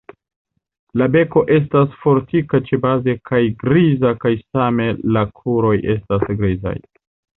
La beko estas fortika ĉebaze kaj griza kaj same la kruroj estas grizaj.